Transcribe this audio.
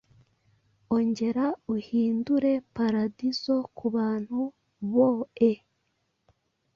Ongera uhindure paradizo kubantu boe,